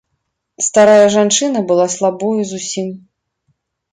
Старая жанчына была слабою зусім.